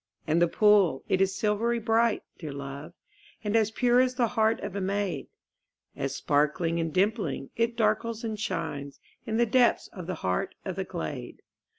And the pool, it is silvery bright, dear love, And as pure as the heart of a maid, As sparkling and dimpling, it darkles and shines In the depths of the heart of the glade.